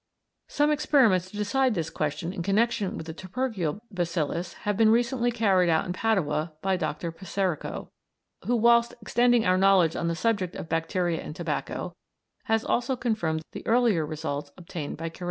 Some experiments to decide this question in connection with the tubercle bacillus have been recently carried out in Padua by Dr. Peserico, who, whilst extending our knowledge on the subject of bacteria and tobacco, has also confirmed the earlier results obtained by Kerez.